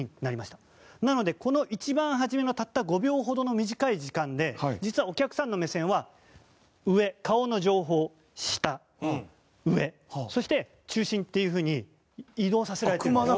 なのでこの一番初めのたった５秒ほどの短い時間で実はお客さんの目線は上顔の上方下上そして中心っていう風に移動させられてるんです。